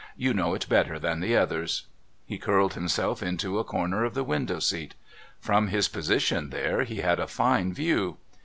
"You know it better than the others." He curled himself into a corner of the window seat. From his position there he had a fine view.